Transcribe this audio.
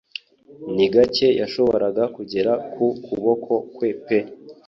ni gake yashoboraga kugera ku kuboko kwe pe